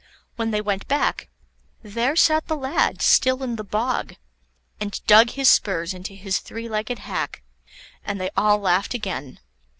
When they went back, there sat the lad still in the bog, and dug his spurs into his three legged hack, and they all laughed again.